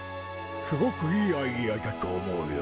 「すごくいいアイデアだと思うよ」